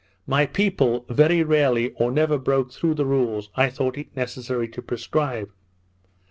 My people very rarely or never broke through the rules I thought it necessary to prescribe.